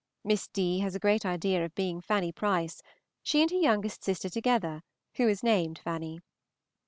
Miss D. has a great idea of being Fanny Price, she and her youngest sister together, who is named Fanny.